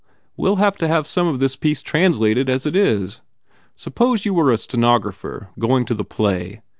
We ll have to have some of this piece translated as it is. Suppose you were a stenographer going to the play?